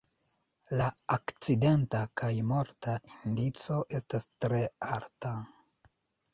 La akcidenta kaj morta indico estas tre alta.